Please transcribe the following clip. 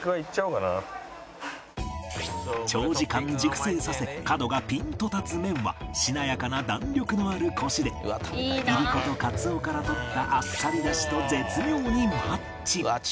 長時間熟成させ角がピンと立つ麺はしなやかな弾力のあるコシでいりことカツオから取ったあっさり出汁と絶妙にマッチ